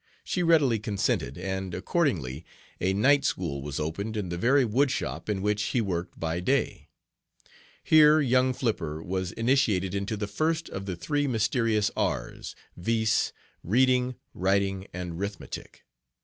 She readily consented, and, accordingly, a night School was opened in the very woodshop in which he worked by day. Here young Flipper was initiated into the first of the three mysterious R's, viz., "reading 'riting and 'rithmetic."